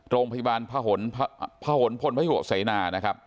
โรงพยาบาลพ่อหนพลพ่นพระหัวเสนานะครับ